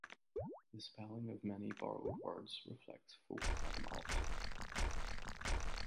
The spelling of many borrowed words reflects folk etymology.